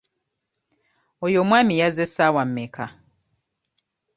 Oyo omwami yazze ssaawa mmeka?